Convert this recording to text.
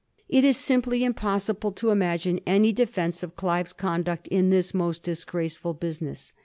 It is simply impossible to imagine any defence of Clive's conduct in this roost disgraceful business.